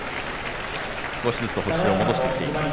少しずつ星を戻してきています。